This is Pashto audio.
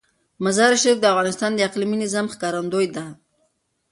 مزارشریف د افغانستان د اقلیمي نظام ښکارندوی ده.